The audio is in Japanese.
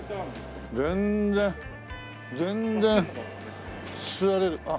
全然全然座れる。